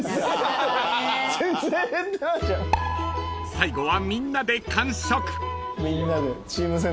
［最後はみんなで完食］